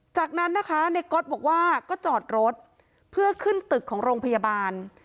จากนั้นนะคะในก๊อตบอกว่าก็จอดรถเพื่อขึ้นตึกของโรงพยาบาล